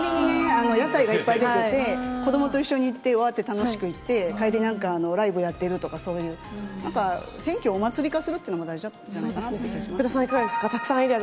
屋台がいっぱい出てて、子どもと一緒に行って、わーって楽しく行って、帰りなんか、ライブやっているとか、そういう、選挙お祭り化するっていうのも大事じゃないかなってい福田さん、いかがですか。